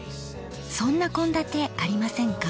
そんな献立ありませんか？